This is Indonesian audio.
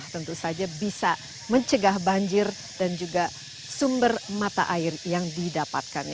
tentu saja bisa mencegah banjir dan juga sumber mata air yang didapatkan